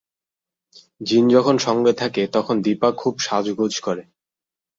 জিন যখন সঙ্গে থাকে, তখন দিপা খুব সাজগোজ করে।